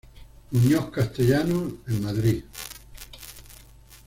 Muñoz Castellanos en Madrid.